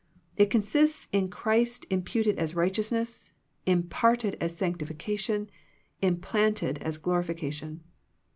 It consists in Christ imputed as righteousness, imparted as sanctification, implanted as glorification.